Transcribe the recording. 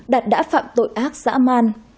đạt đã phạm tội ác dã man